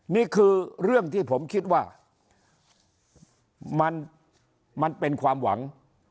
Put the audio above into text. นี่คือเรื่องที่ผมคิดว่ามันเป็นความหวัง